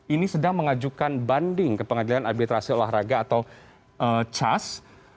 ini sedang mengajukan banding ke pengadilan arbitrasi olahraga atau cas